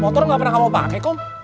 motor nggak pernah kamu pakai kok